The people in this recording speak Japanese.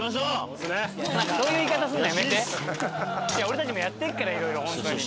俺たちもやってっからいろいろほんとに。